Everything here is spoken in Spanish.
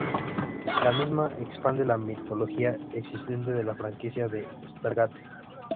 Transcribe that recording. La misma expande la mitología existente de la Franquicia de Stargate.